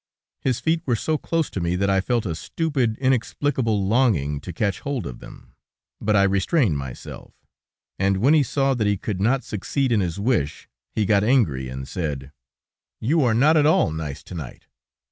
His feet were so close to me that I felt a stupid, inexplicable longing to catch hold of them, but I restrained myself, and when he saw that he could not succeed in his wish, he got angry, and said: "You are not at all nice, to night.